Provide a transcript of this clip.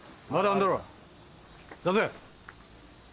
出せ。